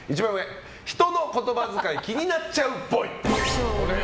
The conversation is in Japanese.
人の言葉遣い気になっちゃうっぽい。